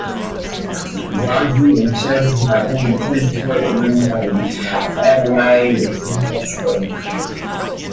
Broadview is serviced by public transport run by the Adelaide Metro.